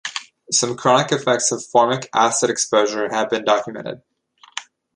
Some chronic effects of formic acid exposure have been documented.